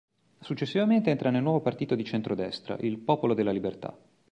Successivamente entra nel nuovo partito di centrodestra, il Popolo della Libertà.